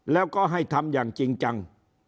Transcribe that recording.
แล้วก็ให้ทำอย่างจริงจัง